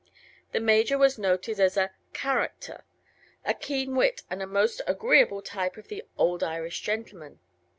The Major was noted as a "character," a keen wit and a most agreeable type of the "old Irish gentleman."